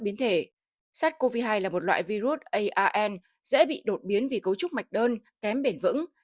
biến thể sars cov hai là một loại virus aan dễ bị đột biến vì cấu trúc mạch đơn kém bền vững